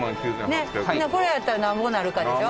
これやったらなんぼなるかでしょ？